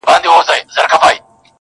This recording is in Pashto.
چيري که خوړلی د غلیم پر کور نمګ وي یار.